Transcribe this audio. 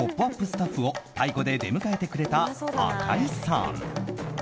スタッフを太鼓で出迎えてくれた赤井さん。